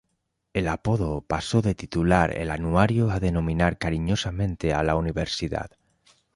El apodo paso de titular el anuario a denominar cariñosamente a la universidad.